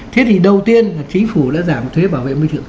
thế thì đầu tiên là chính phủ đã giảm thuế bảo vệ môi trường